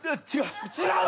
違う。